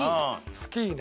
スキーね。